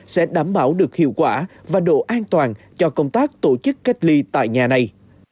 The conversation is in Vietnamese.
sẽ đảm bảo được hiệu quả và độ an toàn cho công tác tổ chức cách ly tại nhà này